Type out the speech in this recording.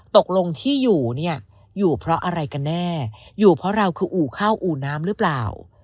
ตกลงที่อยู่เนี่ยอยู่เพราะอะไรกันแน่อยู่เพราะเราคืออู่ข้าวอู่น้ำหรือเปล่า